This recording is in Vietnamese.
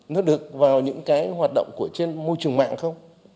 nó được vào những cái hoạt động của trên môi trường mạng không